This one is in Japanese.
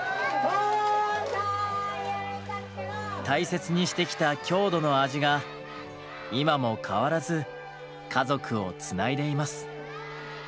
大切にしてきた郷土の味が今も変わらず家族をつないでいます。